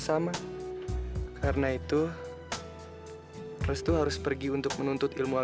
sampai jumpa di video selanjutnya